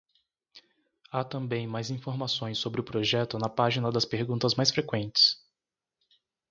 Há também mais informações sobre o projeto na página das perguntas mais frequentes.